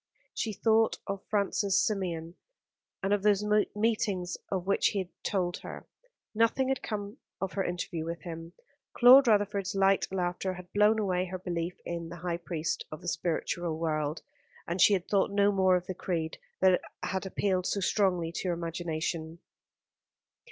She thought of Francis Symeon, and of those meetings of which he had told her. Nothing had come of her interview with him. Claude Rutherford's light laughter had blown away her belief in the high priest of the spiritual world; and she had thought no more of the creed that had appealed so strongly to her imagination.